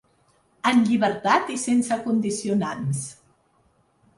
En llibertat i sense condicionants.